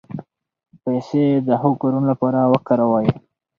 پیسې د ښو کارونو لپاره وکاروئ.